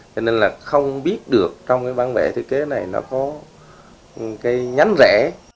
cho nên là không biết được trong cái bản vẽ thiết kế này nó có cái nhánh rẽ